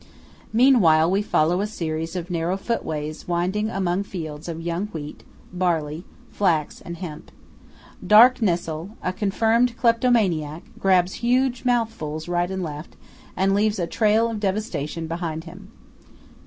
Meanwhile we follow a series of narrow footways winding among fields of young wheat, barley, flax and hemp. Dark Nessol–a confirmed kleptomaniac–grabs huge mouthfuls right and left, and leaves a trail of devastation behind him.